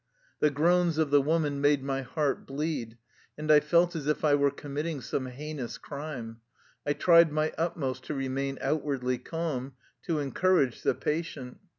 The groans of the woman made my heart bleed, and I felt as if I were committing some heinous crime. I tried my utmost to remain outwardly calm, to encourage the patient.